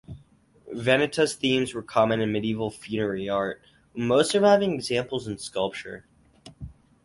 Vanitas themes were common in medieval funerary art, with most surviving examples in sculpture.